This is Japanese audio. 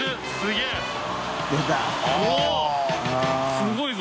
すごいぞ。